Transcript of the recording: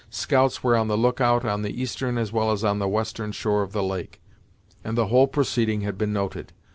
Scouts were on the look out on the eastern as well as on the western shore of the lake, and the whole proceeding had been noted.